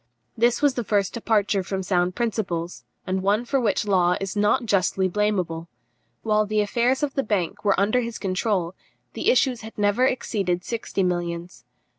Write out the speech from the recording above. This was the first departure from sound principles, and one for which Law is not justly blameable. While the affairs of the bank were under his control, the issues had never exceeded sixty millions.